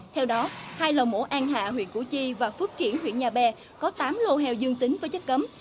theo đó hai lò mổ an hạ huyện củ chi và phước kiển huyện nhà bè có tám lô heo dương tính với chất cấm